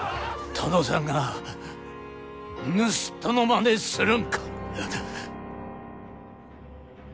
殿さんが盗人のまねするんか！